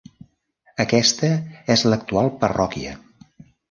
Aquesta és l'actual parròquia.